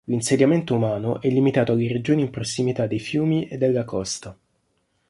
L'insediamento umano è limitato alle regioni in prossimità dei fiumi e della costa.